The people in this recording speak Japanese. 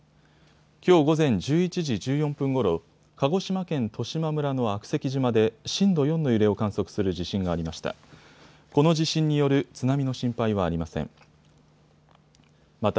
きょう午前１１時１４分ごろ、鹿児島県十島村の悪石島で震度４の揺れを観測する地震がありました。